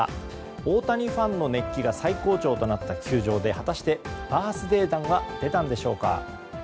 大谷ファンの熱気が最高潮となった球場でバースデー弾は出たんでしょうか？